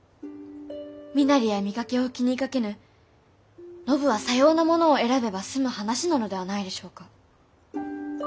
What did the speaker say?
身なりや見かけを気にかけぬ信はさような者を選べば済む話なのではないでしょうか。